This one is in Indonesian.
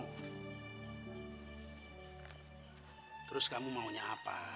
hai terus kamu maunya apa